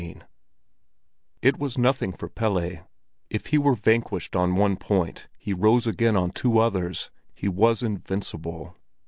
IX It was nothing for Pelle; if he were vanquished on one point, he rose again on two others: he was invincible.